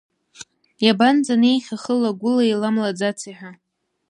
Иабанӡанеихьеи, хыла-гәыла еиламлаӡаци ҳәа.